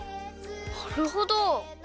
なるほど。